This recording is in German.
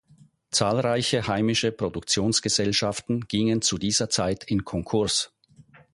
Zahlreiche heimische Produktionsgesellschaften gingen zu dieser Zeit in Konkurs.